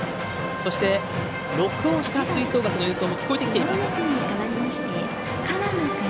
そして、録音した吹奏楽の演奏も聞こえてきています。